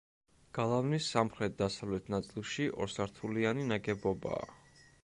გალავნის სამხრეთ-დასავლეთ ნაწილში ორსართულიანი ნაგებობაა.